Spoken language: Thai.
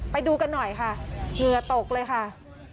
ไปดูกันหน่อยค่ะเหงื่อตกเลยค่ะ